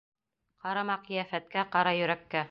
Ҡарама ҡиәфәткә, ҡара йөрәккә.